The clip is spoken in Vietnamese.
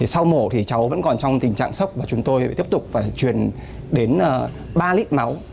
sau mổ thì cháu vẫn còn trong tình trạng sốc và chúng tôi lại tiếp tục phải truyền đến ba lít máu